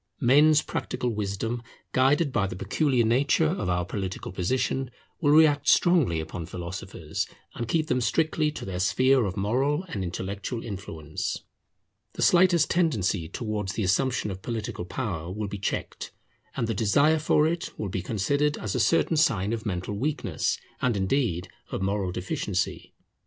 Men's practical wisdom, guided by the peculiar nature of our political position, will react strongly upon philosophers, and keep them strictly to their sphere of moral and intellectual influence. The slightest tendency towards the assumption of political power will be checked, and the desire for it will be considered as a certain sign of mental weakness, and indeed of moral deficiency.